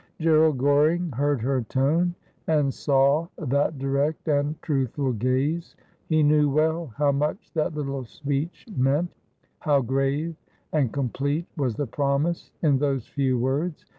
Gerald G oring heard her tone, and saw that direct and truth ful gaze. He knew well how much that little speech meant ; how grave and complete was the promise in those few words.